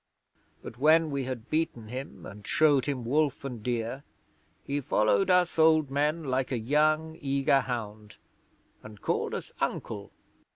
But when we had beaten him, and showed him wolf and deer, he followed us old men like a young, eager hound, and called us "uncle".